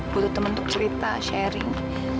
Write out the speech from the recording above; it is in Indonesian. butuh teman untuk cerita sharing